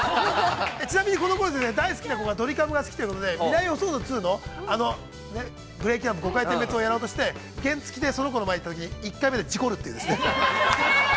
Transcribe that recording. ちなみに、このころね、大好きな子がドリカムが好きということで、未来予想図２のブレーキランプ５回点滅をやろうとして、原付でその子の前に行ったとき、１回目で事故るというですね。